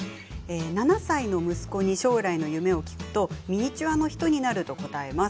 ７歳の息子に将来の夢を聞くとミニチュアの人になると答えます。